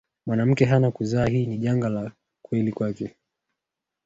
mwanamke hana kuzaa hii ni janga la kweli kwake